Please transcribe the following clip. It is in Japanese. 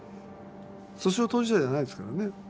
訴訟当事者じゃないですからね。